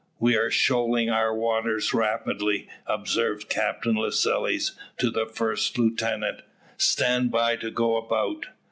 "We are shoaling our water rapidly," observed Captain Lascelles to the first lieutenant. "Stand by to go about."